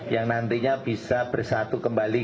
yang nantinya bisa bersatu kembali